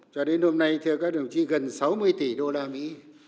cho đến hôm nay thưa các đồng chí gần sáu mươi tỷ đô la mỹ